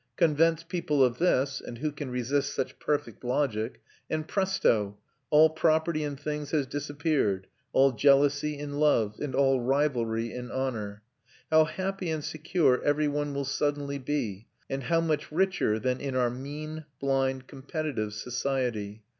Convince people of this and who can resist such perfect logic? and presto all property in things has disappeared, all jealousy in love, and all rivalry in honour. How happy and secure every one will suddenly be, and how much richer than in our mean, blind, competitive society!